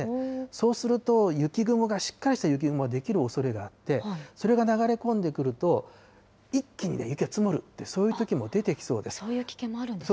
そうすると、雪雲が、しっかりした雪雲ができるおそれがあって、それが流れ込んでくると一気に雪が積もるっていう、そういうときそういう危険もあるんですね。